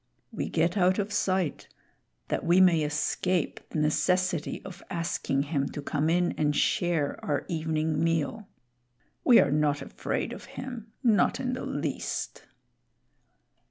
We get out of sight that we may escape the necessity of asking him to come in and share our evening meal. We are not afraid of him, not in the least."